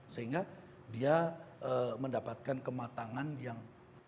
sehingga dia mendapatkan kematangan yang